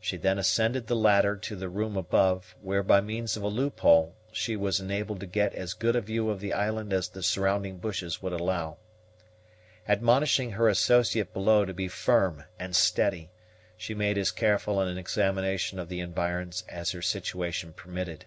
She then ascended the ladder to the room above, where by means of a loophole she was enabled to get as good a view of the island as the surrounding bushes would allow. Admonishing her associate below to be firm and steady, she made as careful an examination of the environs as her situation permitted.